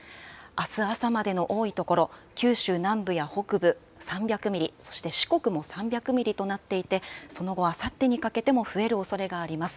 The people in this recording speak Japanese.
あす朝までの多い所、九州南部や北部３００ミリ、そして四国も３００ミリとなっていて、その後あさってにかけても増えるおそれがあります。